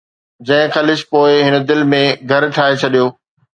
جنهن خلش پوءِ هن دل ۾ گهر ٺاهي ڇڏيو